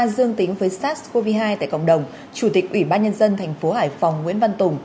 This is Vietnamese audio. dương tính với sars cov hai tại cộng đồng chủ tịch ủy ban nhân dân thành phố hải phòng nguyễn văn tùng